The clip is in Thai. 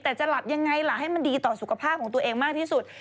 แต่จะหลับยังไงล่ะให้มันดีต่อสุขภาพของตัวเองมากที่สุด